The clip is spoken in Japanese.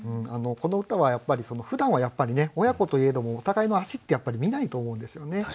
この歌はやっぱりふだんは親子といえどもお互いの足って見ないと思うんですよね。